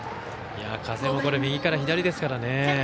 風も右から左ですからね。